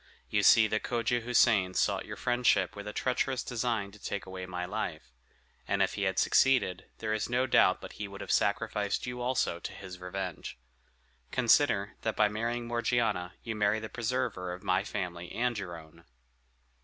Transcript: You see that Cogia Houssain sought your friendship with a treacherous design to take away my life; and if he had succeeded, there is no doubt but he would have sacrificed you also to his revenge. Consider, that by marrying Morgiana you marry the preserver of my family and your own."